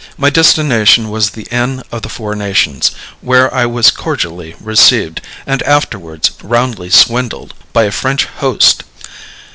My destination was the Inn of the Four Nations, where I was cordially received, and afterwards roundly swindled, by a French host.